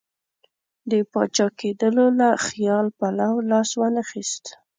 د پاچا کېدلو له خیال پلو لاس وانه خیست.